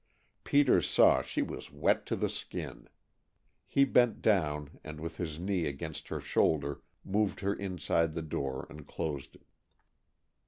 Peter saw she was wet to the skin. He bent down and with his knee against her shoulder moved her inside the door and closed it.